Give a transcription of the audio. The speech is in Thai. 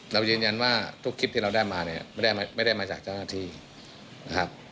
เรายืนยันว่าทุกคลิปที่เราได้มาเนี่ยไม่ได้มาจากเจ้าหน้าที่นะครับ